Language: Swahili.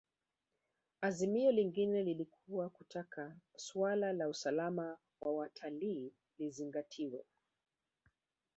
Azimio lingine lilikuwa kutaka suala la usalama wa watalii lizingatiwe